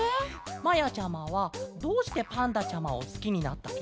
まやちゃまはどうしてパンダちゃまをすきになったケロ？